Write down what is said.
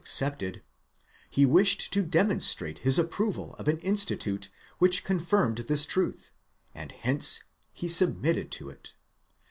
239 excepted, he wished to demonstrate his approval of an institute which con firmed this truth, and hence he submitted to it.